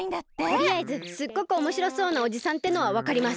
とりあえずすっごくおもしろそうなおじさんってのはわかります。